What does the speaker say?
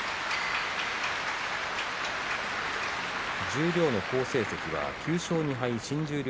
十両の好成績は９勝２敗新十両